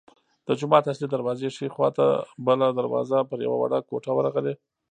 د جومات اصلي دروازې ښي خوا ته بله دروازه پر یوه وړه کوټه ورغلې.